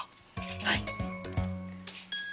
はい。